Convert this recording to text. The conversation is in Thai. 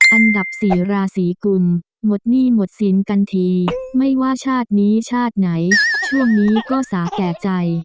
อันดับสี่ราศีกุลหมดหนี้หมดสินกันทีไม่ว่าชาตินี้ชาติไหนช่วงนี้ก็สาแก่ใจ